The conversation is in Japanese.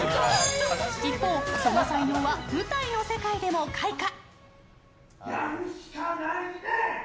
一方、その才能は舞台の世界でも開花！